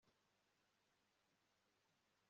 ntukifate nk'urukundo rwanjye